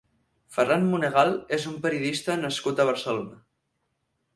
Ferran Monegal és un periodista nascut a Barcelona.